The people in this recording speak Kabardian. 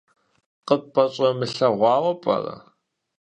КъыпӀэщӀэмылъэгъуауэ пӀэрэ?